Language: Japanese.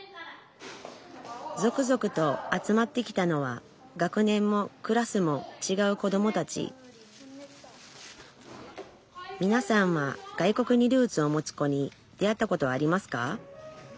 続々と集まってきたのは学年もクラスもちがうこどもたちみなさんは外国にルーツを持つ子に出会ったことはありますか？